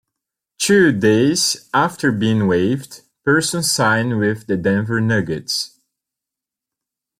Two days after being waived, Person signed with the Denver Nuggets.